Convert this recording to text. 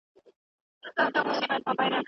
د ورېښمینې پردې شاته لکه سیوری